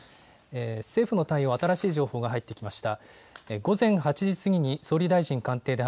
政府の対応、新しい情報が入ってきました。